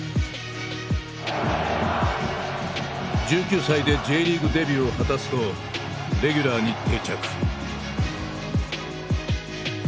１９歳でＪリーグデビューを果たすとレギュラーに定着。